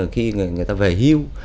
khi người người ta về hưu